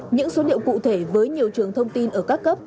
những số liệu cụ thể với nhiều trường thông tin ở các cấp